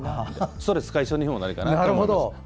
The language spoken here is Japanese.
ストレス解消にもなるかなと思います。